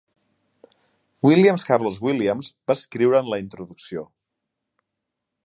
Williams Carlos Williams va escriure'n la introducció.